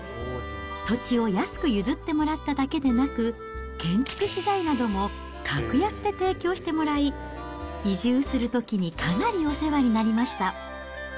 土地を安く譲ってもらっただけでなく、建築資材なども格安で提供してもらい、移住するときにかなりお世話になりました。